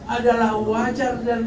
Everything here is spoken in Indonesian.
adalah wajar dan